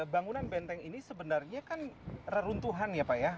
bangunan benteng ini sebenarnya kan reruntuhan ya pak ya